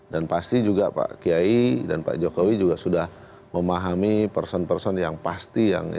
dan pasti juga pak kiai dan pak jokowi juga sudah memahami person person yang pasti